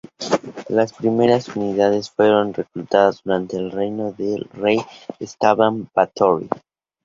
Las primeras unidades fueron reclutadas durante el reinado del rey Esteban Báthory.